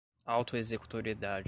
auto-executoriedade